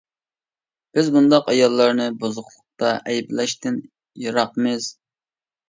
بىز بۇنداق ئاياللارنى بۇزۇقلۇقتا ئەيىبلەشتىن يىراقمىز.